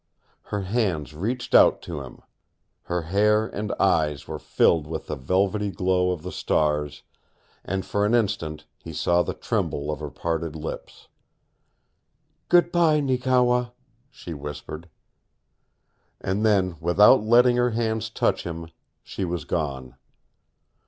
Her hands reached out to him. Her hair and eyes were filled with the velvety glow of the stars, and for an instant he saw the tremble of her parted lips. "Goodby, Neekewa," she whispered. And then, without letting her hands touch him, she was gone.